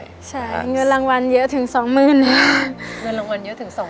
ใช่เงินรางวัลเยอะถึงสองหมื่น